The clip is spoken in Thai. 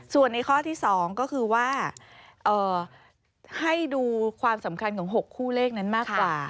ส่วนในข้อที่๒ก็คือว่าให้ดูความสำคัญของ๖คู่เลขนั้นมากกว่า